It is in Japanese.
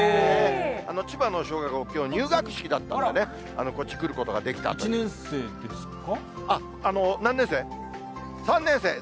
千葉の小学校、きょう、入学式だったんでね、１年生ですか？